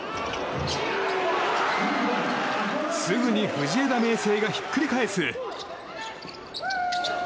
すぐに藤枝明誠がひっくり返す。